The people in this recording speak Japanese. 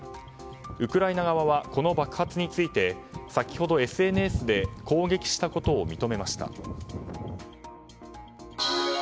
ウクライナ側はこの爆発について先ほどＳＮＳで攻撃したことを認めました。